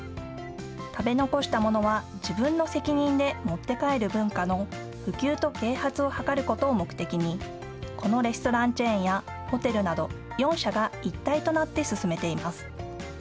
食べ残したものは自分の責任で持って帰る文化の普及と啓発を図ることを目的にこのレストランチェーンやホテルなど４社が一体となって進めています。